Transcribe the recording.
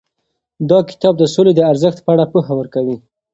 دا کتاب د سولې د ارزښت په اړه پوهه ورکوي.